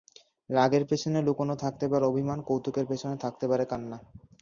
রাগের পেছনে লুকানো থাকতে পারে অভিমান, কৌতুকের পেছনে থাকতে পারে কান্না।